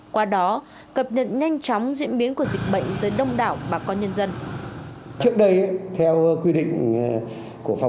qua đó cập nhật nhanh chóng diễn biến của dịch bệnh tới đông đảo bà con nhân dân